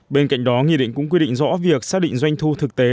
bên cạnh đó nghị định cũng quy định rõ việc xác định doanh thu thực tế